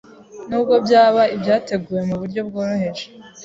nubwo byaba ibyateguwe mu buryo bworoheje,